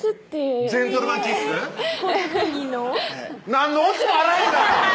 何のオチもあらへんがな！